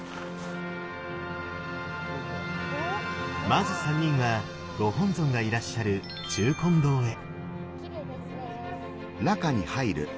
まず三人はご本尊がいらっしゃる中金堂へ。